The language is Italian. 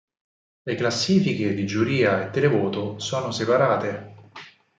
Le classifiche di giuria e televoto sono separate.